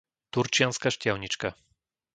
Turčianska Štiavnička